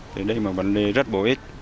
thì đây là một vấn đề rất bổ ích